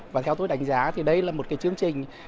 và theo tôi đánh giá thì đây là một cái chương trình